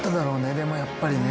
でもやっぱりね。